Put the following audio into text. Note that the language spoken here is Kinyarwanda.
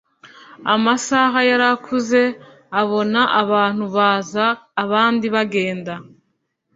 amasaha yarakuze abona abantu baza abandi bagenda